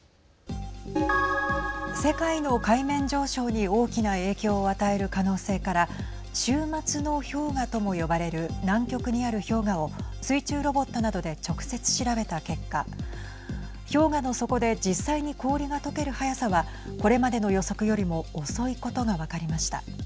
世界の海面上昇に大きな影響を与える可能性から終末の氷河とも呼ばれる南極にある氷河を水中ロボットなどで直接調べた結果氷河の底で実際に氷がとける速さはこれまでの予測よりも遅いことが分かりました。